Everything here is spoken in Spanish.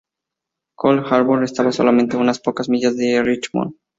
Cold Harbor estaba solamente unas pocas millas de Richmond.